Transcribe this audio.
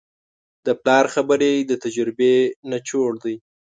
د پلار خبرې د تجربې نچوړ دی.